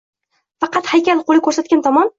Faqat haykal qoʻli koʻrsatgan tomon